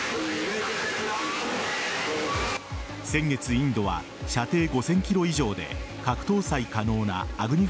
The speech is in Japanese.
先月、インドは射程５０００ｋｍ以上で核搭載可能なアグニ５